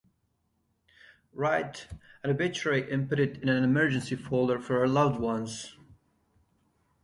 Write an obituary and put it in an emergency folder for your loved ones.